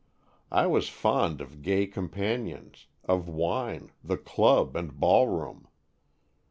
I was fond of gay compan ions, of wine, the club, and ballroom.